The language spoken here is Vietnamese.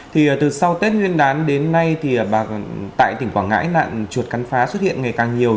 thì từ sau tết nguyên đán đến nay thì tại tỉnh quảng ngãi nạn chuột cắn phá xuất hiện ngày càng nhiều